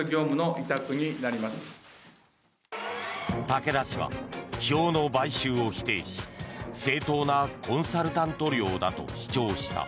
竹田氏は、票の買収を否定し正当なコンサルタント料だと主張した。